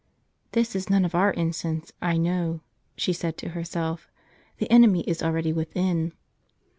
"This is none of our in cense, I know," she said to herself; " the enemy is already within."